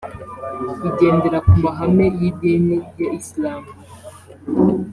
igendera ku mahame y’idini ya Islam